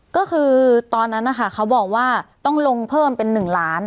ก็คือตอนนั้นนะคะเขาบอกว่าต้องลงเพิ่มเป็น๑ล้าน